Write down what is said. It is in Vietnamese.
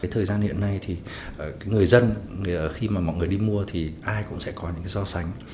thời gian hiện nay thì người dân khi mà mọi người đi mua thì ai cũng sẽ có những so sánh